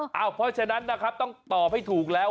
เพราะฉะนั้นนะครับต้องตอบให้ถูกแล้ว